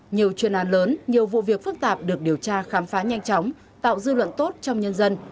nhiều chuyên an lớn nhiều vụ việc phức tạp được điều tra khám phá nhanh chóng tạo dư luận tốt trong nhân dân